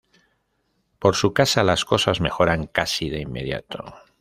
Por su casa las cosas mejoran casi de inmediato.